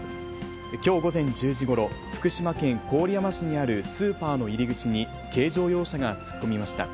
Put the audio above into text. きょう午前１０時ごろ、福島県郡山市にあるスーパーの入り口に、軽乗用車が突っ込みました。